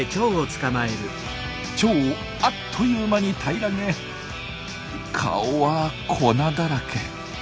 チョウをあっという間に平らげ顔は粉だらけ。